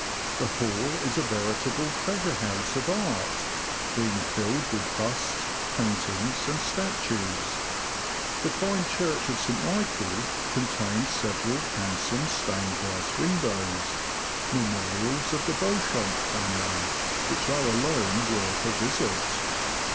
The hall is a veritable treasure house of art, being filled with busts, paintings, and statues. The fine church of St. Michael contains LOWESTOFT TO NORWICH. 65 several handsome stained glass windows, memorials of the Beauchamp family, which are alone worth a visit.